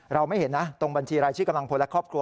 ไม่เห็นนะตรงบัญชีรายชื่อกำลังพลและครอบครัว